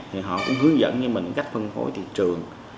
thì họ cũng hướng dẫn cho mình cách phân phối thị trường